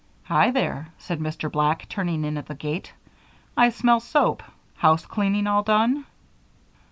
"Hi there!" said Mr. Black, turning in at the gate. "I smell soap. Housecleaning all done?"